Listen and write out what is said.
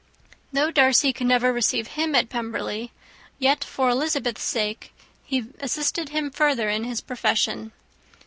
Though Darcy could never receive him at Pemberley, yet, for Elizabeth's sake, he assisted him further in his profession.